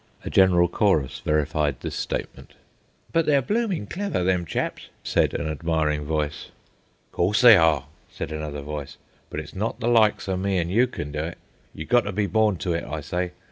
A general chorus verified this statement. "But they're bloomin' clever, them chaps," said an admiring voice. "Course they are," said another voice. "But it's not the likes of me an' you can do it. You got to be born to it, I say.